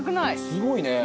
すごいね。